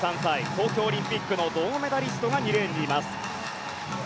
東京オリンピックの銅メダリストが２レーンにいます。